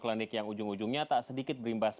klinik yang ujung ujungnya tak sedikit berimbas